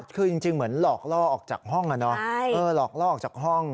คือจริงเหมือนหลอกล่อออกจากห้องหลอกล่อออกจากห้อง